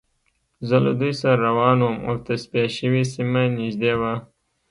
زه له دوی سره روان وم او تصفیه شوې سیمه نږدې وه